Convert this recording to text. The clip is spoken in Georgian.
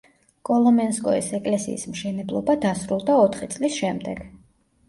კოლომენსკოეს ეკლესიის მშენებლობა დასრულდა ოთხი წლის შემდეგ.